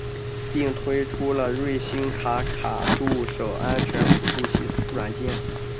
并推出了瑞星卡卡助手安全辅助软件。